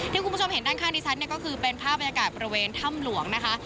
คุณผู้ชมเห็นด้านข้างที่ฉันเนี่ยก็คือเป็นภาพบรรยากาศบริเวณถ้ำหลวงนะคะ